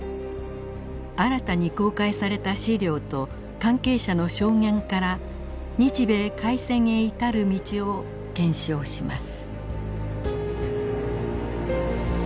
新たに公開された史料と関係者の証言から日米開戦へ至る道を検証します。